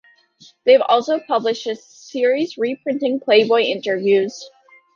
They have also published a series reprinting "Playboy" interviews.